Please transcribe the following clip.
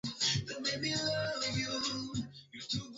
Jana nilienda kumazowezi ya wa vijana